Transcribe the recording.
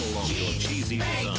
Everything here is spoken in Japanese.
チーズ！